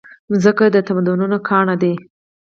مځکه د تمدنونو ګاڼه ده.